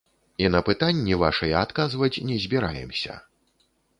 І на пытанні вашыя адказваць не збіраемся.